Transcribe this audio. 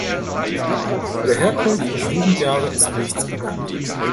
Über Herkunft und Jugendjahre ist nichts bekannt.